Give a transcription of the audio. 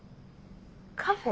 カフェ？